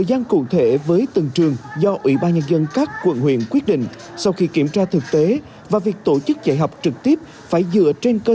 được tổ chức dạy học trực tiếp trở lại